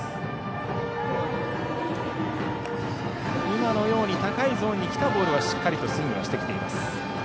今のように高いゾーンに来たボールはしっかりとスイングしてきています。